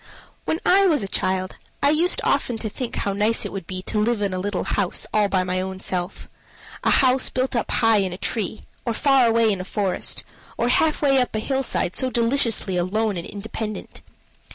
When I was a child, I used often to think how nice it would be to live in a little house all by my own self a house built high up in a tree, or far away in a forest, or halfway up a hillside so deliciously alone and independent.